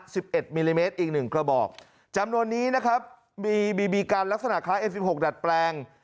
สิบเอ็ดมิลลิเมตรอีกหนึ่งกระบอกจำนวนนี้นะครับมีบีบีกันลักษณะคล้ายเอ็มสิบหกดัดแปลง